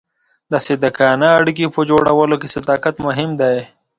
د صادقانه اړیکو په جوړولو کې صداقت مهم دی.